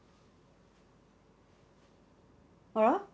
あら？